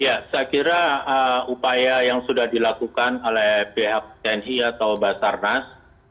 ya saya kira upaya yang sudah dilakukan oleh pihak tni atau basarnas